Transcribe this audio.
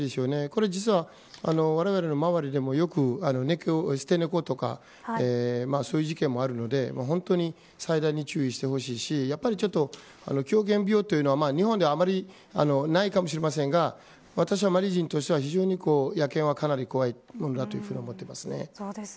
これ実は、われわれの周りでも捨て猫とかそういう事件もあるので本当に最大に注意してほしいし狂犬病というのは日本ではあまりないかもしれませんが私はマリ人としては野犬はかなり怖いものだと思っています。